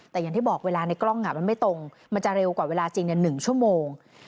แต่อย่างที่บอกเวลาในกล้องมันไม่ตรงมันจะเร็วกว่าเวลาจริง๑ชั่วโมง